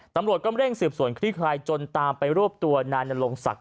ตำรวจก็เร่งสืบสวนคลี่คลายจนตามไปรวบตัวนายนรงศักดิ